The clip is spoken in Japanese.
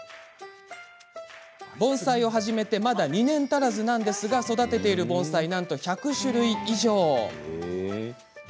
盆栽を始めてまだ２年足らずですが育てている盆栽はなんと１００種類以上。